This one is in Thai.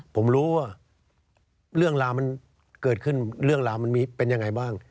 ผมรู้ว่าเรื่องราวมันเกิดขึ้นเรื่องราวมันมีเป็นยังไงบ้าง